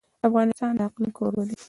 افغانستان د اقلیم کوربه دی.